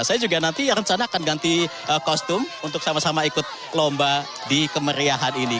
saya juga nanti rencana akan ganti kostum untuk sama sama ikut lomba di kemeriahan ini